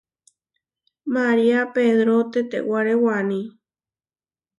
Maria pedro tetewáre waní.